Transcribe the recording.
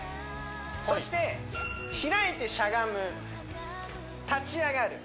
そして開いてしゃがむ立ち上がる